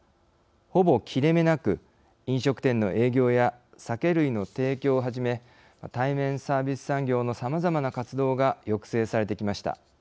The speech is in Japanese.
ほぼ切れ目なく、飲食店の営業や酒類の提供をはじめ対面サービス産業のさまざまな活動が抑制されてきました。